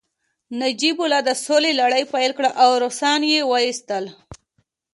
نجیب الله د سولې لړۍ پیل کړه او روسان يې وويستل